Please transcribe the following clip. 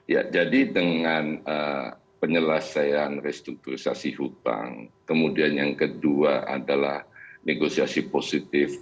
ya jadi dengan penyelesaian restrukturisasi hutang kemudian yang kedua adalah negosiasi positif